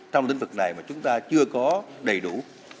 trong lĩnh vực này mà chúng ta chưa có đầy đủ